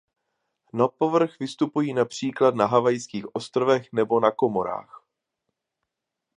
Na povrch vystupují například na Havajských ostrovech nebo na Komorách.